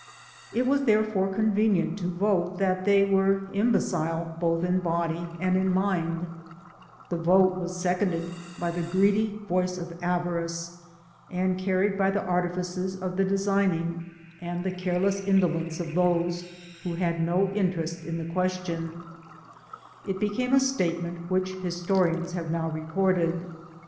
It was therefore convenient to vote that they were imbecile both in body and mind; the vote was seconded by the greedy voice of avarice, and carried by the artifices of the designing, and the careless indolence of those who had no interest in the ques tion : it at length became a statement which histo rians have now recorded.